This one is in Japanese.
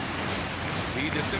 いいですね。